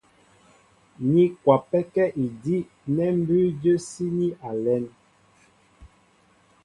Ní kwapɛ́kɛ́ idí' nɛ́ mbʉ́ʉ́ jə́síní a lɛ́n.